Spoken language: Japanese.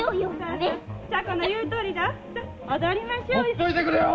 ほっといてくれよ！